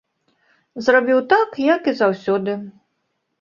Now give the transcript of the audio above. Зрабіў так, як і заўсёды.